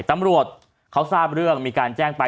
ตำรวจเขาทราบเรื่องมีการแจ้งไป